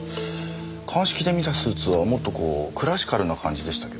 鑑識で見たスーツはもっとこうクラシカルな感じでしたけど。